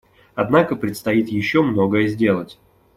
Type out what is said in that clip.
Однако предстоит еще многое сделать.